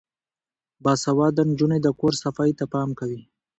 باسواده نجونې د کور صفايي ته پام کوي.